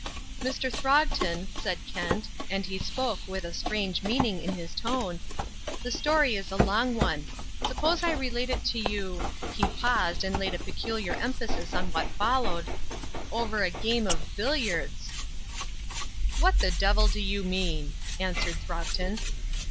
"Mr. Throgton," said Kent, and he spoke with a strange meaning in his tone, "the story is a long one. Suppose I relate it to you" he paused, and laid a peculiar emphasis on what followed "over a game of billiards." "What the devil do you mean?" answered Throgton.